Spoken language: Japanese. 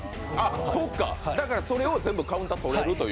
そうか、それを全部カウンターとれるという。